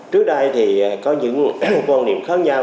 trước đây thì có những quan niệm khác nhau